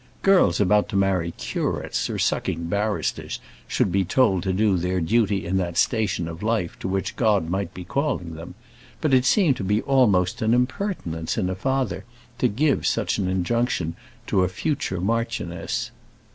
Girls about to marry curates or sucking barristers should be told to do their duty in that station of life to which God might be calling them; but it seemed to be almost an impertinence in a father to give such an injunction to a future marchioness.